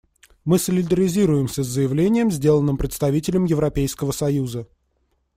Мы солидаризируемся с заявлением, сделанным представителем Европейского союза.